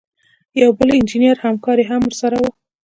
یو بل انجینر همکار یې هم ورسره و.